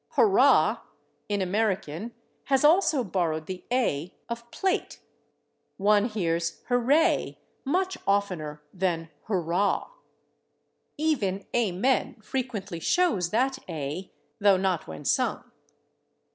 /Hurrah/, in American, has also borrowed the /a/ of /plate/; one hears /hurray/ much oftener than /hurraw/. Even /amen/ frequently shows that /a/, though not when sung.